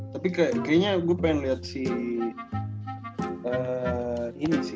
tapi kayaknya gue pengen liat si